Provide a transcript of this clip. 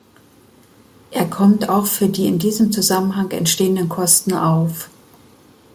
Er kommt auch für die in diesem Zusammenhang entstehenden Kosten auf.